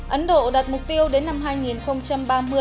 ấn độ đặt mục tiêu đến năm hai nghìn ba mươi